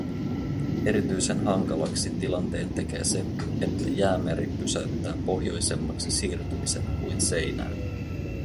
Erityisen hankalaksi tilanteen tekee se, että Jäämeri pysäyttää pohjoisemmaksi siirtymisen kuin seinään.